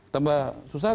tambah susah tak